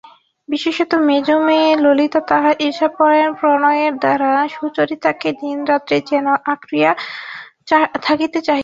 বিশেষত মেজো মেয়ে ললিতা তাহার ঈর্ষাপরায়ণ প্রণয়ের দ্বারা সুচরিতাকে দিনরাত্রি যেন আঁকড়িয়া থাকিতে চাহিত।